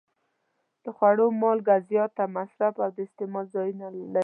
د خوړو مالګه زیات مصرف او د استعمال ځایونه لري.